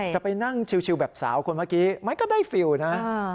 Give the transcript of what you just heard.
จะไปนั่งชิวแบบสาวคนเมื่อกี้ไหมก็ได้ฟิลนะ